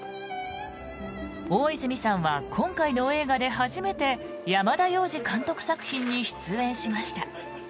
大泉さんは今回の映画で初めて山田洋次監督作品に出演しました。